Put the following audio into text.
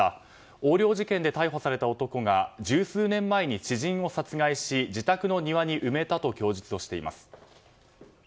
横領事件で逮捕された男が十数年前に知人を殺害し自宅の庭に埋めたと供述をしています。